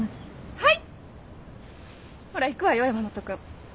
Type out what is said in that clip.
はい。